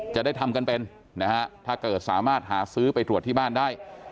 จะได้ทำกันเป็นนะฮะถ้าเกิดสามารถหาซื้อไปตรวจที่บ้านได้